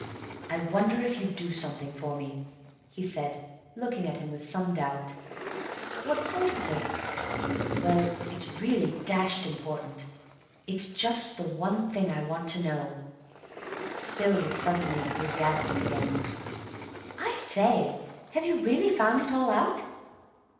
"I wonder if you'd do something for me," he said, looking at him with some doubt. "What sort of thing?" "Well, it's really dashed important. It's just the one thing I want now." Bill was suddenly enthusiastic again. "I say, have you really found it all out?"